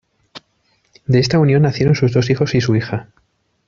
De esta unión nacieron sus dos hijos y su hija.